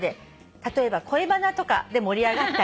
「例えば恋バナとかで盛り上がったり」